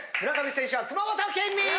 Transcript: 村上選手は熊本県民！